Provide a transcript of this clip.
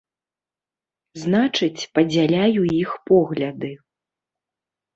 Значыць, падзяляю іх погляды.